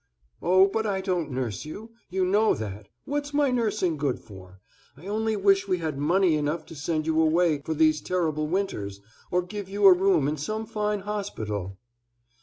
"Oh, but I don't nurse you, you know that; what's my nursing good for? I only wish we had money enough to send you away for these terrible winters, or give you a room in some fine hospital."